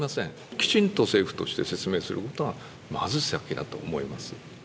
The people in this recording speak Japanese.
きちんと政府として説明することが、まず先だと思います。